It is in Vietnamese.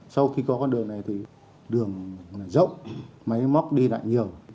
sau khi có con đường này thì đường rộng máy móc đi lại nhiều